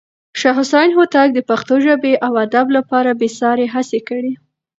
شاه حسين هوتک د پښتو ژبې او ادب لپاره بې ساری هڅې کړې.